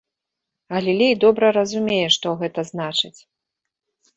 Галілей добра разумее, што гэта значыць.